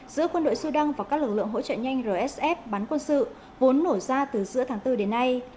giữa quân đội sudan và các lực lượng hỗ trợ nhanh rsf bắn quân sự vốn nổ ra từ giữa tháng bốn đến nay